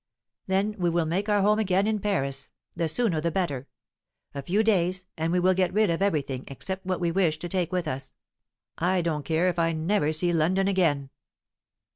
"Then we will make our home again in Paris. The sooner the better. A few days, and we will get rid of everything except what we wish to take with us. I don't care if I never see London again."